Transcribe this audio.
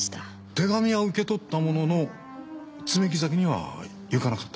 手紙は受け取ったものの爪木崎には行かなかったんですか？